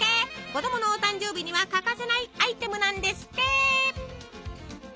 子供のお誕生日には欠かせないアイテムなんですって。